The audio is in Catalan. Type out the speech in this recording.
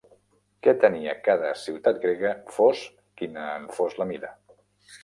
Què tenia cada ciutat grega fos quina en fos la mida?